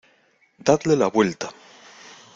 ¡ Dadle la vuelta!